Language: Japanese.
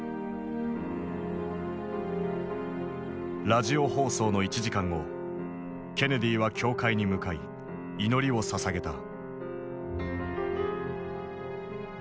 ラジオ放送の１時間後ケネディは教会に向かい祈りを捧げた。